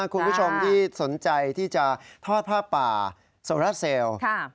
คุณผู้ชมที่สนใจที่จะทอดผ้าป่าโซราเซลล์